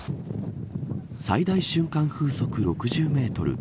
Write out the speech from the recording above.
最大瞬間風速６０メートル